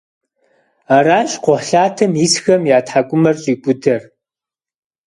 Аращ кхъухьлъатэм исхэм я тхьэкӏумэр щӏикудэр.